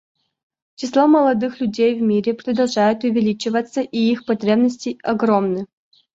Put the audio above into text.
Число молодых людей в мире продолжает увеличиваться, и их потребности огромны.